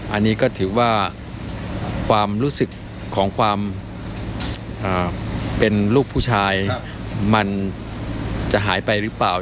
อันนี้ก็ถือว่าความรู้สึกของความเป็นลูกผู้ชายมันจะหายไปหรือเปล่า